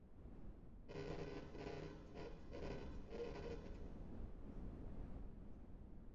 印度拟蕨藓为蕨藓科拟蕨藓属下的一个种。